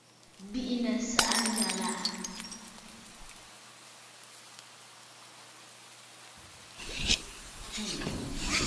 Bìʼinə̀ saʼa njyàlàʼà.